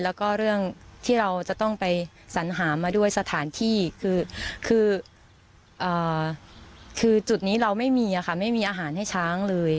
แล้วก็เรื่องที่เราจะต้องไปสัญหามาด้วยสถานที่คือจุดนี้เราไม่มีค่ะไม่มีอาหารให้ช้างเลย